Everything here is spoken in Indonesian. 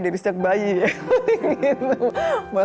dari siap bayi ya